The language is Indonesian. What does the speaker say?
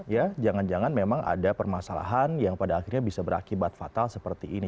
ya jangan jangan memang ada permasalahan yang pada akhirnya bisa berakibat fatal seperti ini